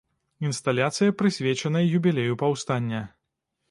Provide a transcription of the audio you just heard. Інсталяцыя, прысвечаная юбілею паўстання.